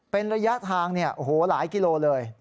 เป็นระยะทางหลายกิโลเลย